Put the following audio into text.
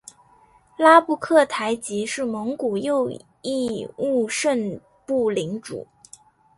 拉布克台吉是蒙古右翼兀慎部领主。